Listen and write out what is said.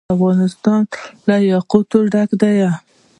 افغانستان له یاقوت ډک دی.